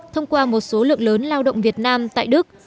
thông qua một số lượng lớn lao động việt nam tại đức